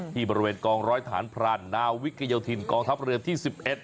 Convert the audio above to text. ที่บริเวณกองร้อยทหารพรานนาวิกยโยธินกองทัพเรือที่๑๑